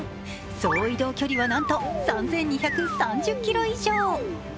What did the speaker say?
総移動距離はなんと３２３０ｋｍ以上。